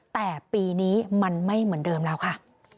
แต่ปีนี้มันไม่เหมือนเดิมแล้วค่ะ